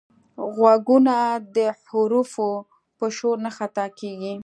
غوږونه د حرفو په شور نه خطا کېږي